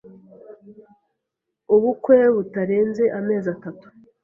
Ubukwe butarenze amezi atatu.